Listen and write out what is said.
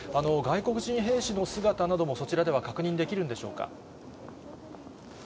外国人兵士の姿なども、そちらでは確認できるんでしょうか。